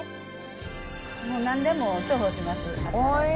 もう何でも重宝します。